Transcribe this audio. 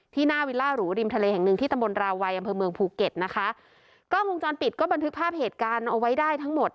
หน้าวิลล่าหรูริมทะเลแห่งหนึ่งที่ตำบลราวัยอำเภอเมืองภูเก็ตนะคะกล้องวงจรปิดก็บันทึกภาพเหตุการณ์เอาไว้ได้ทั้งหมด